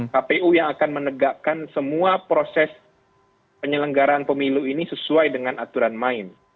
kpu yang akan menegakkan semua proses penyelenggaraan pemilu ini sesuai dengan aturan main